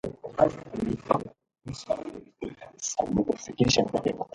He had two children, Kurtis Kramer and Cassandra Koehler.